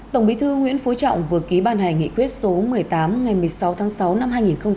tổng bí thư nguyễn phú trọng vừa ký ban hành nghị quyết số một mươi tám ngày một mươi sáu tháng sáu năm hai nghìn một mươi chín